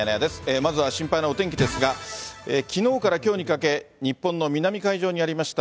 まずは心配なお天気ですが、きのうからきょうにかけ、日本の南海上にありました